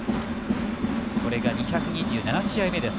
これが２２７試合目です